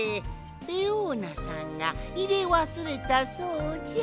レオーナさんがいれわすれたそうじゃ。